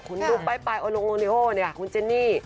คุณลูกป้ายนิโอคุณเจนี่